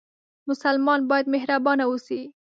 مسلمان باید مهربانه اوسي